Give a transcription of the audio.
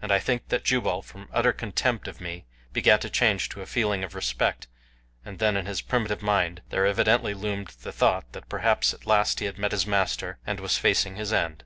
And I think that Jubal, from utter contempt of me, began to change to a feeling of respect, and then in his primitive mind there evidently loomed the thought that perhaps at last he had met his master, and was facing his end.